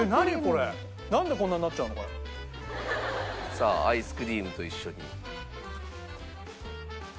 さあアイスクリームと一緒に。